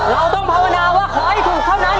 เราต้องภาวนาว่าขอให้ถูกเท่านั้น